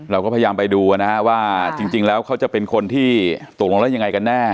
เราก็พยายามไปดูนะฮะว่าจริงแล้วเขาจะเป็นคนที่ตกลงแล้วยังไงกันแน่